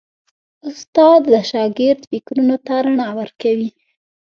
استاد د شاګرد فکرونو ته رڼا ورکوي.